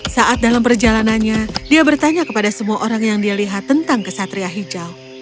saat dalam perjalanannya dia bertanya kepada semua orang yang dia lihat tentang kesatria hijau